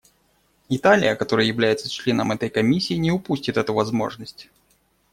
Италия, которая является членом этой Комиссии, не упустит эту возможность.